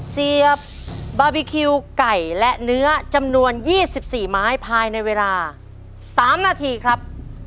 เสียบบาร์บีคิวไก่และเนื้อจำนวน๒๔ไม้ภายในเวลา๓นาทีครับ